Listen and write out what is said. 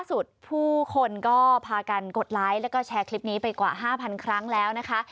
สุดผู้คนก็พากันกดไลค์แล้วก็แชร์คลิปนี้ไปกว่า๕๐๐ครั้งแล้วนะคะ